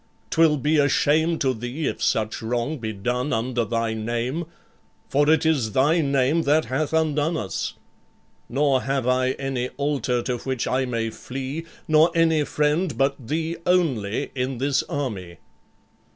'Twill be a shame to thee if such wrong be done under thy name; for it is thy name that hath undone us. Nor have I any altar to which I may flee, nor any friend but thee only in this army."